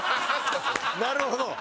なるほど。